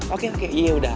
oke oke ya udah